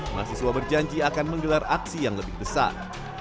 mahasiswa berjanji akan menggelar aksi yang lebih besar